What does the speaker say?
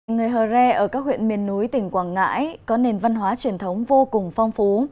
người hờ re ở các huyện miền núi tỉnh quảng ngãi có nền văn hóa truyền thống vô cùng phong phú